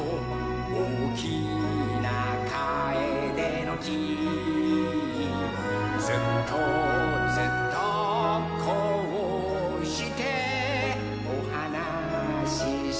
「おおきなカエデの木」「ずっとずっとこうしておはなししよう」